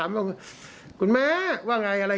ผมว่าคุณแม่นี่ก็ไม่ได้มีอะไรนะ